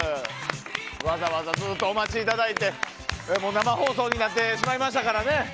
わざわざずっとお待ちいただいて生放送になってしまいましたからね。